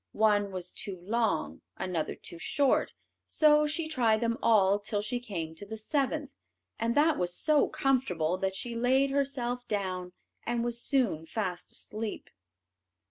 One was too long, another too short; so she tried them all till she came to the seventh, and that was so comfortable that she laid herself down, and was soon fast asleep.